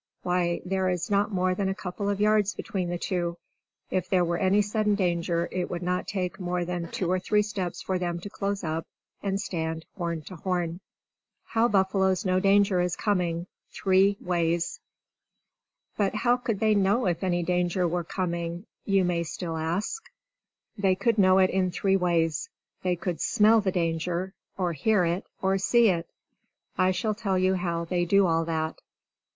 Why, there is not more than a couple of yards between the two! If there were any sudden danger, it would not take more than two or three steps for them to close up, and stand horn to horn. How Buffaloes Know Danger is Coming Three Ways "But how could they know if any danger were coming?" you may still ask. They could know it in three ways: they could smell the danger, or hear it, or see it. I shall tell you how they do all that.